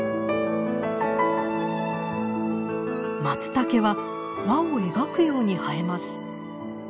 マツタケは輪を描くように生えます。